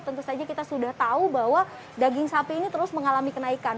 tentu saja kita sudah tahu bahwa daging sapi ini terus mengalami kenaikan